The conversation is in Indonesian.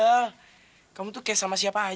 apaku mau ambil barang ber inaccurate